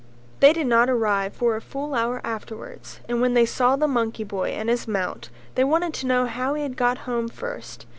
They did not arrive for a full hour afterwards and when they saw the monkey boy and his mount they wanted to know how he had got home first.